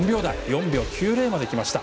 ４秒９０まできました。